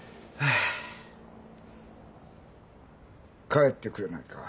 帰ってくれないか？